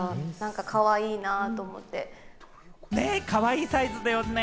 ねー、かわいいサイズだよね。